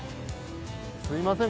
すいません。